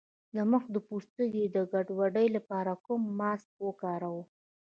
د مخ د پوستکي د ګډوډۍ لپاره کوم ماسک وکاروم؟